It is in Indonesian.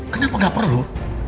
kenapa tidak perlu